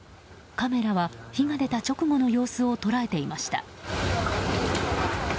カメラは火が出た直後の様子を捉えていました。